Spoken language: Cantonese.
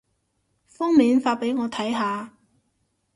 封面發畀我睇下